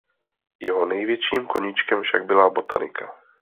Jeho největším koníčkem však byla botanika.